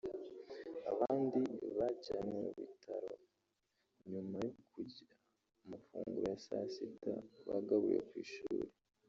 abandi bajyanwa mu bitao nyuma yo kurya amafunguro ya saa sita bagaburiwe ku ishuri